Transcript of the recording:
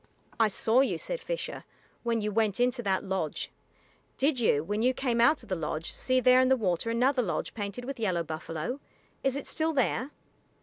"I saw you," said Fisher, "when you went into that lodge. Did you, when you came out of the lodge, see there in the water another lodge painted with yellow buffalo? Is it still there?"